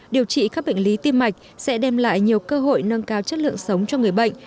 điều trị các bệnh lý tim mạch sẽ đem lại nhiều cơ hội nâng cao chất lượng sống cho người bệnh